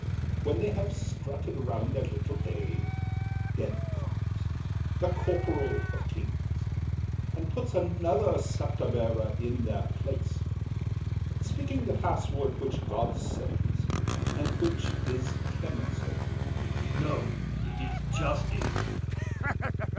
When they have strutted 'round their little day, Death comes—the corporal of kings—and puts Another scepter bearer in their place, Speaking the password which God sends, and which Is clemency. THE KING. No, it is justice.